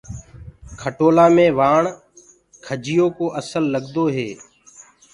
کٽولآ مي وآڻ کجيو ڪو اسل لگدو هي۔